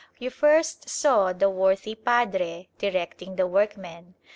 You first saw the worthy padre directing the workmen.